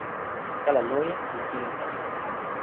kala loje li pilin wan.